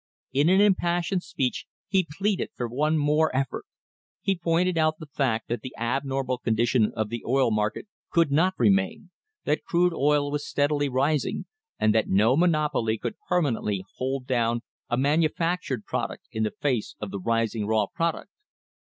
In an impassioned speech he pleaded for one more effort. He pointed out the fact that the abnor mal condition of the oil market could not remain, that crude oil was steadily rising, and that no monopoly could perma nently hold down a manufactured product in the face of the rising raw product.